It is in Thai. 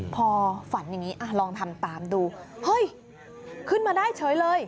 พอฝันอย่างนี้ลองทำตามดูเฮ้ยขึ้นมาได้เฉยเลย